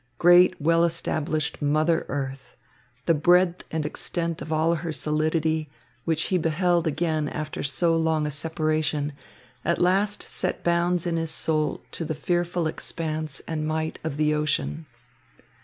Great well established mother earth, the breadth and extent of her solidity, which he beheld again after so long a separation, at last set bounds in his soul to the fearful expanse and might of the ocean.